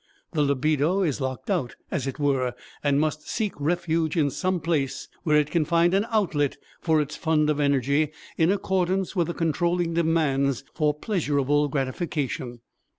The libido is locked out, as it were, and must seek refuge in some place where it can find an outlet for its fund of energy, in accordance with the controlling demands for pleasurable gratification.